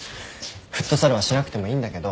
フットサルはしなくてもいいんだけど。